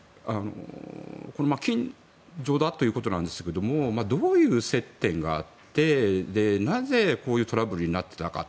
近所だということなんですがどういう接点があってなぜこういうトラブルになっていたか